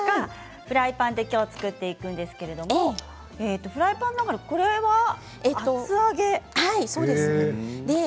フライパンできょう作っていくんですけれどフライパンの中に、これは厚揚げですね。